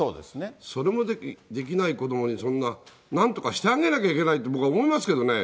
それもできない子どもに、そんな、なんとかしてあげなきゃいけないって僕は思いますけどね。